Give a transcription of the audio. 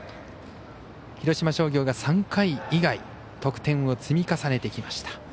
広島商業が３回以外得点を積み重ねてきました。